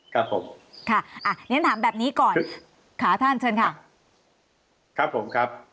ครับผมค่ะอ่ะเรียนถามแบบนี้ก่อนค่ะท่านเชิญค่ะครับผมครับ